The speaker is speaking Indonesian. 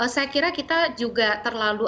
saya kira kita juga terlalu